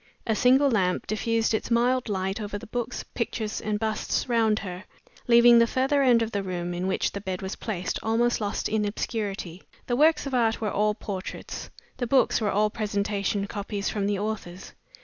A single lamp diffused its mild light over the books, pictures, and busts round her, leaving the further end of the room, in which the bed was placed, almost lost in obscurity. The works of art were all portraits; the books were all presentation copies from the authors.